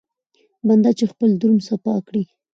بنده چې خپل درون صفا کړي.